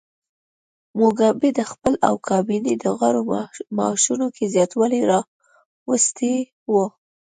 موګابي د خپل او کابینې د غړو معاشونو کې زیاتوالی راوستی و.